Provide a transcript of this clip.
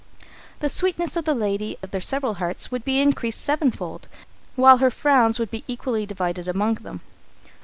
The sweetness of the lady of their several hearts would be increased seven fold, while her frowns would be equally divided among them.